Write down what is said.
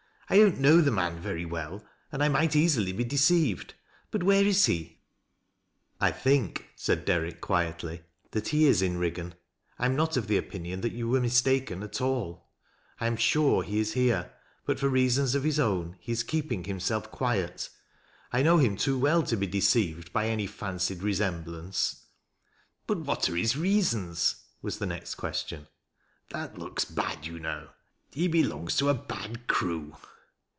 I don't know the man very well and I might easily be deceived. But where is he ?"" I think," said Derrick, quietly, " that he is in Riggan. I am not of the opinion that you were mistaken at all, I am sure he is here, but for reasons of his own he is keep ing himself quiet. I know him too well to be deceived by any fancied resemblance." " But what are his reasons ?" was the next question. ' That looks bad, you know. He belongs to a bad crew."